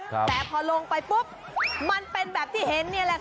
แต่พอลงไปปุ๊บมันเป็นแบบที่เห็นนี่แหละค่ะ